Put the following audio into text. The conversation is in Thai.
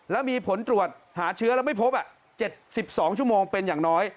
แล้วมีผลตรวจหาเชื้อแล้วไม่พบ๗๒ชั่วโมงเป็นอย่างน้อย